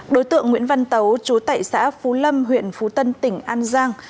đối tượng nguyễn văn tấu trú tại xã phú lâm huyện phú tân tỉnh an giang